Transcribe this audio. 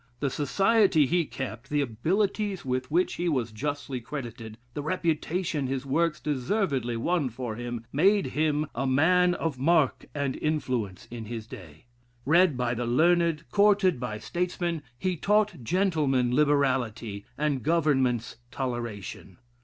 The society he kept, the abilities with which he was justly credited, the reputation his works deservedly won for him, made him a man of mark and influence in his day. Read by the learned, courted by statesmen, he taught gentlemen liberality, and governments toleration.